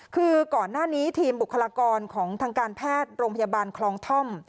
คือก่อนหน้านี้ทีมบุคลากรของทางการแพทย์โรงพยาบาลคลองท่อม